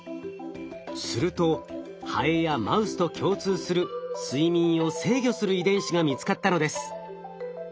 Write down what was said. するとハエやマウスと共通する睡眠を制御する遺伝子が見つかったのです。